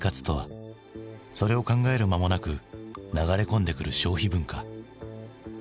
それを考える間もなく流れ込んでくる消費文化。